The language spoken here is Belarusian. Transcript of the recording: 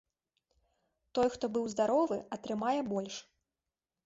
Той, хто быў здаровы, атрымае больш.